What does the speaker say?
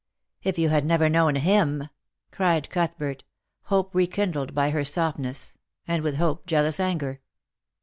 " If you had never known him !" cried Outhbert, hope re kindled by her softness, and with hope jealous anger.